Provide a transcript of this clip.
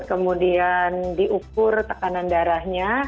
kemudian diukur tekanan darahnya